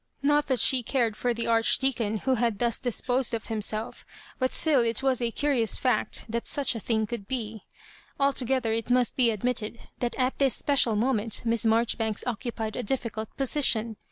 Not that she cared for the Ardideaoon, who had thus disposed of him self ; but still it was a curious fact that such a thing could ba Altogether it roust be admitted that at this special moment Miss Marjoribanks occupied a difficult position.